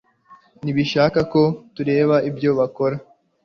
ntibashaka ko tureba ibyo bakora